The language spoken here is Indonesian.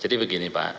jadi begini pak